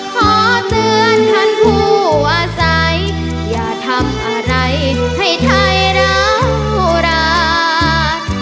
ขอเตือนท่านผู้ว่าใสอย่าทำอะไรให้ไทยเรารัก